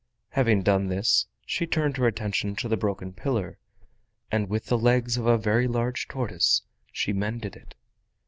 Having done this, she turned her attention to the broken pillar, and with the legs of a very large tortoise she mended it.